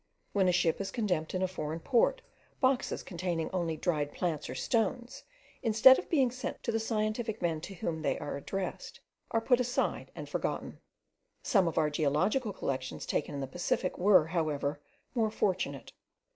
When a ship is condemned in a foreign port, boxes containing only dried plants or stones, instead of being sent to the scientific men to whom they are addressed, are put aside and forgotten. Some of our geological collections taken in the Pacific were, however, more fortunate.